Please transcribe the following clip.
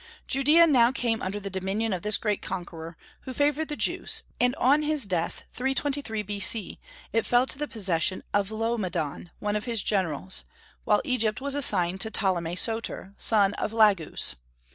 Judaea now came under the dominion of this great conqueror, who favored the Jews, and on his death, 323 B.C., it fell to the possession of Laomedon, one of his generals; while Egypt was assigned to Ptolemy Soter, son of Lagus.